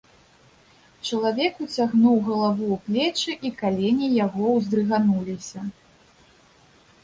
Чалавек уцягнуў галаву ў плечы, і калені яго ўздрыгануліся.